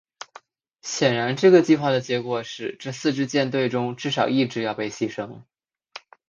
显然这个计划的结果是这四支舰队中至少一支要被牺牲。